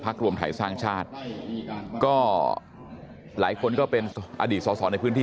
รวมไทยสร้างชาติก็หลายคนก็เป็นอดีตสอสอในพื้นที่